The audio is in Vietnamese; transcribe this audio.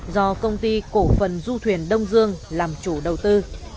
do công ty cổ phần du thuyền đông dương làm chủ đầu tư